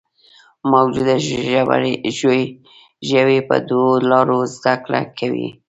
موجوده ژوي په دوو لارو زده کړه کوي.